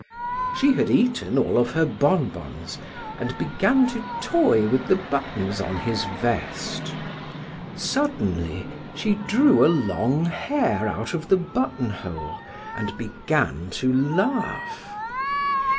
She had eaten all of her bonbons and began to toy with the buttons on his vest. Suddenly she drew a long hair out of the buttonhole and began to laugh.